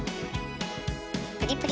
プリプリ！